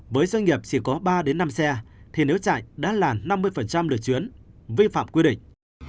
với doanh nghiệp chỉ có ba năm xe thì nếu chạy đã là năm mươi lượt chuyến vi phạm quy định